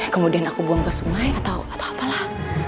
kemudian aku buang ke sungai atau apalah